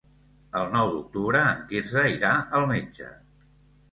El nou d'octubre en Quirze irà al metge.